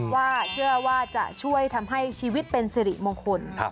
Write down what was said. ว่าเชื่อว่าจะช่วยทำให้ชีวิตเป็นสิริมงคล